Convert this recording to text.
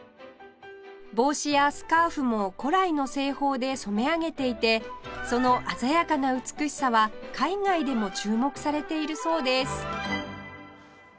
帽子やスカーフも古来の製法で染め上げていてその鮮やかな美しさは海外でも注目されているそうです